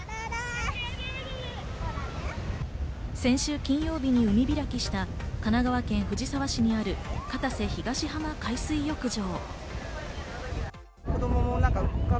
先週金曜日に海開きした神奈川県藤沢市にある片瀬東浜海水浴場。